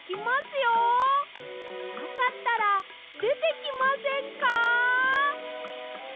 よかったらでてきませんか？